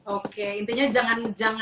oke intinya jangan berhenti